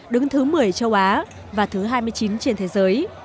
đứng thứ một mươi châu á và thứ hai mươi chín trên thế giới